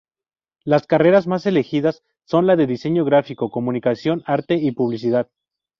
Las carreras más elegidas son las de Diseño Gráfico, Comunicación, Arte y Publicidad.